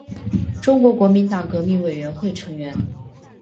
中国国民党革命委员会成员。